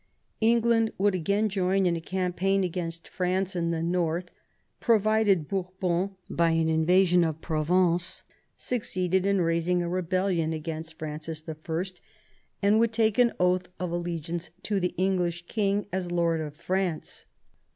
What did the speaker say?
England would again join in a campaign against France in the north, provided Bourbon, by an invasion of Provence, succeeded in raising a rebellion against Francis I., and would take an oath of allegiance to the English king as lord of France.